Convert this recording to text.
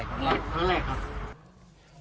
ครั้งแรกครับ